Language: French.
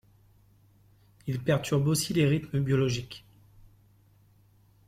Il perturbe aussi les rythmes biologiques.